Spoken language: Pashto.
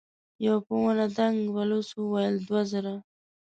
يوه په ونه دنګ بلوڅ وويل: دوه زره.